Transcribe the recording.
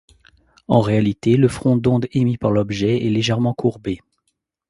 En réalité, le front d'onde émis par l'objet est légèrement courbé.